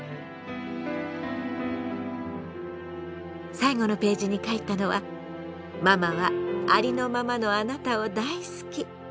最後のページに書いたのは「ママはありのままのあなたを大好き」。